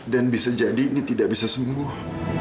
dan bisa jadi ini tidak bisa sembuh